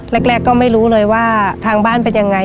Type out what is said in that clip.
แรกก็ไม่รู้เลยว่าทางบ้านเป็นยังไง